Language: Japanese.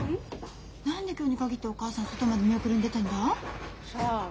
何で今日に限ってお母さん外まで見送りに出てんだ？さあ？